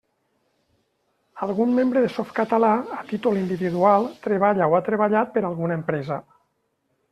Algun membre de Softcatalà, a títol individual, treballa o ha treballat per a alguna empresa.